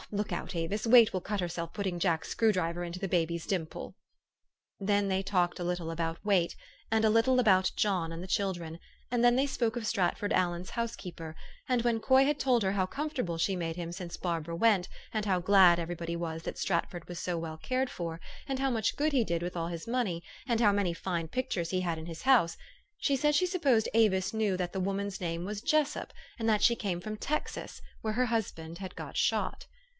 Look out, Avis ! Wait will cut herself putting Jack's screwdriver into the baby's dimple." Then they talked a little about Wait, and a little about John and the children, and then they spoke of Stratford Allen's housekeeper ; and when Coy had told her how comfortable she made him since Barbara went, and how glad everybody was that Stratford was so well cared for, and how much good he did with all his money, and how many fine pictures he had in his house, she said she sup posed Avis knew that the woman's name was Jessup, and that she came from Texas, where her husband had got shot.